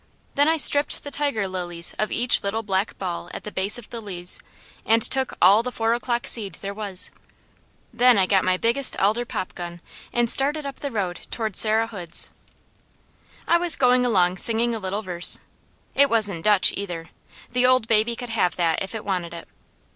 Then I stripped the tiger lilies of each little black ball at the bases of the leaves, and took all the four o'clock seed there was. Then I got my biggest alder popgun and started up the road toward Sarah Hood's. I was going along singing a little verse; it wasn't Dutch either; the old baby could have that if it wanted it.